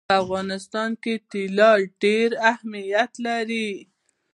په افغانستان کې طلا ډېر اهمیت لري.